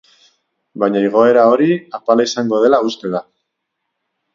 Baina igoera hori apala izango dela uste da.